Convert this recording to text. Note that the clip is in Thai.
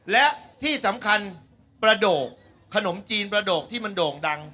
และที่สำคัญประโดกขนมจีนประโดกที่มันโด่งดัง